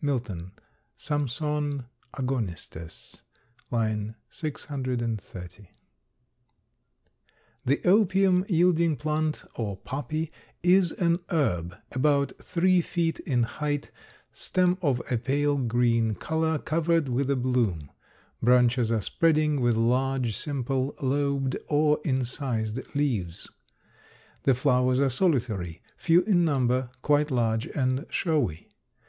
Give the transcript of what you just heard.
Milton, S. A. l. 630. The opium yielding plant or poppy is an herb about three feet in height; stem of a pale green color covered with a bloom. Branches are spreading, with large, simple, lobed or incised leaves. The flowers are solitary, few in number, quite large and showy.